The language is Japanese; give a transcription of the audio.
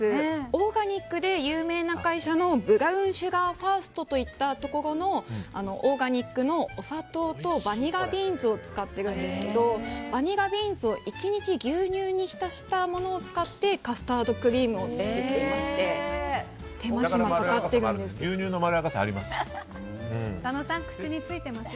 オーガニックで有名な会社のブラウンシュガーファーストというところのオーガニックのお砂糖とバニラビーンズを使っているんですけどバニラビーンズを１日牛乳に浸したものを使ってカスタードクリームを作っていまして牛乳のまろやかさ、あります。